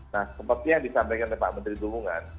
nah seperti yang disampaikan oleh pak menteri perhubungan